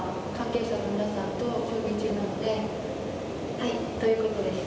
はいということでした。